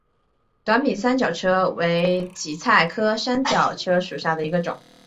短柄三角车为堇菜科三角车属下的一个种。